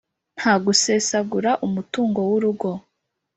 Ntagusesagura umutungo w’urugo